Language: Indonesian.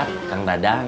pak ustad kang dadang